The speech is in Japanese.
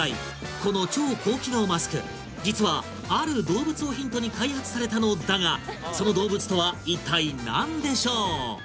この超高機能マスク実はある動物をヒントに開発されたのだがその動物とは一体何でしょう？